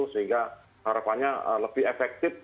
sehingga harapannya lebih efektif